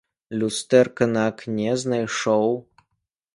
Люстэрка на акне знайшоў.